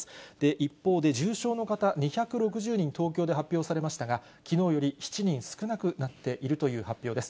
一方で重症の方、２６０人、東京で発表されましたが、きのうより７人少なくなっているという発表です。